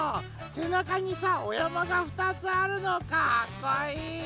せなかにさおやまがふたつあるのかっこいい。